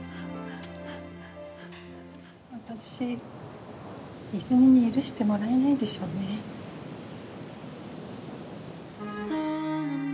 私泉に許してもらえないでしょうね。